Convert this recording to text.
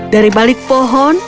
dari balik pohon